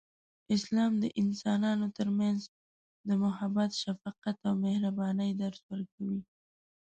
اسلام د انسانانو ترمنځ د محبت، شفقت، او مهربانۍ درس ورکوي.